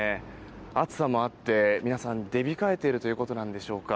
暑さもあって、皆さん出控えているということなんでしょうか。